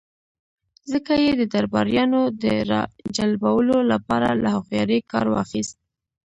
ځکه يې د درباريانو د را جلبولو له پاره له هوښياری کار واخيست.